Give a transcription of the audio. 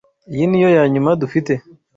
Iyi niyo yanyuma dufite.